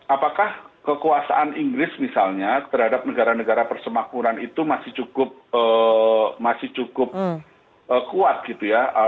apakah kekuasaan inggris misalnya terhadap negara negara persemakmuran itu masih cukup kuat gitu ya